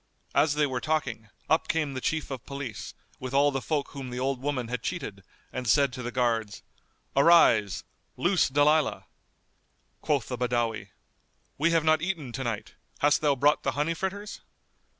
As they were talking, up came the Chief of Police, with all the folk whom the old woman had cheated, and said to the guards, "Arise, loose Dalilah." Quoth the Badawi, "We have not eaten to night. Hast thou brought the honey fritters?"